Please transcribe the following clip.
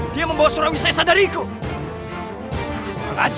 dia membawa surawisya esa dari ikut